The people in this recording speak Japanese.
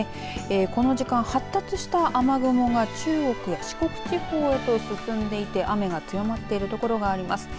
この時間、発達した雨雲が中国、四国地方へと進んでいて雨が強まっている所があります。